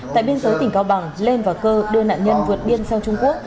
tại biên giới tỉnh cao bằng lên và cơ đưa nạn nhân vượt biên sang trung quốc